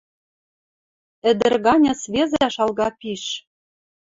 Ӹдӹр ганьы свезӓ шалга пиш.